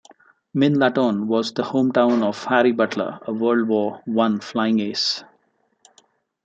Minlaton was the home town of Harry Butler, a World War One flying ace.